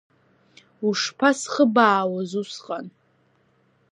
Ушԥасхыбаауаз усҟан…